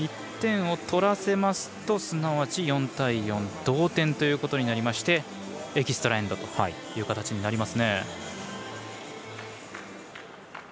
１点を取らせますとすなわち４対４同点ということになりましてエキストラ・エンドという形になりますね。